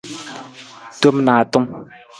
Tom naatung.